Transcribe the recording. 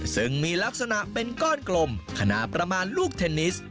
ซึ่งมีลักษณะเป็นก้อนกลมขนาดประมาณลูกเทนนิส